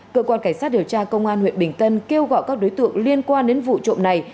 cơ quan cảnh sát điều tra công an huyện bình tân kêu gọi các đối tượng liên quan đến vụ trộm này